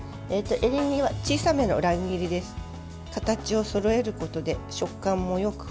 エリンギは小さめの乱切りです。